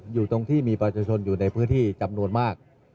อยู่ตรงที่มีประชาชนอยู่ในพื้นที่จำนวนมาก